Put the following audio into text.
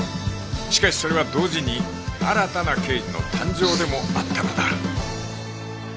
しかしそれは同時に新たな刑事の誕生でもあったのだ